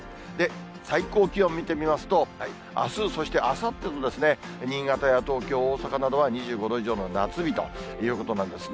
最高気温見てみますと、あす、そしてあさってと、新潟や東京、大阪などは、２５度以上の夏日ということなんですね。